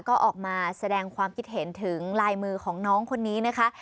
ก็ออกมาแสดงความคิดเห็นถึงลายมือของน้องคนนี้นะคะ